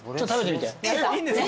えっいいんですか？